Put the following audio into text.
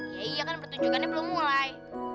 ya iya kan pertunjukannya belum mulai